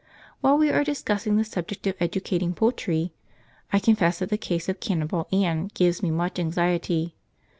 While we are discussing the subject of educating poultry, I confess that the case of Cannibal Ann gives me much anxiety.